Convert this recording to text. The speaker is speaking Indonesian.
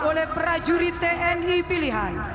oleh prajurit tni pilihan